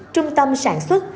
trung tâm sản xuất